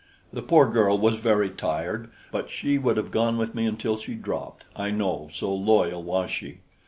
The poor girl was very tired; but she would have gone with me until she dropped, I know, so loyal was she.